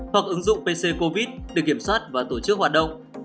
hoặc ứng dụng pc covid để kiểm soát và tổ chức hoạt động